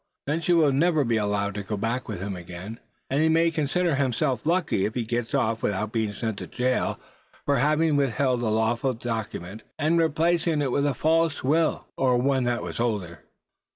Then she will never be allowed to go back with him again; and he may consider himself lucky if he gets off without being sent to jail for having withheld a lawful document, and replacing it with a false will, or one that was older."